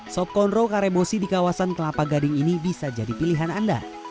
sop konro karebosi di kawasan kelapa gading ini bisa jadi pilihan anda